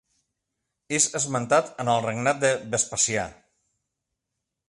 És esmentat en el regnat de Vespasià.